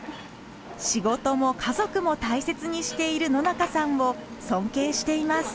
仕事も家族も大切にしている野中さんを尊敬しています。